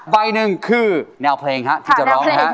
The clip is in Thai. ใบหนึ่งคือแนวเพลงฮะที่จะร้องฮะ